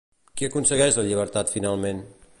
Qui aconsegueix la llibertat finalment?